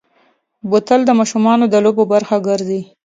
بوتل د ماشومو د لوبو برخه ګرځي.